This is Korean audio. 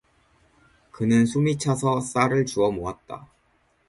그는 숨이 차서 쌀을 주워 모았다.